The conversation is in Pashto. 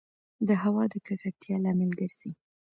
د هــوا د ککــړتـيـا لامـل ګـرځـي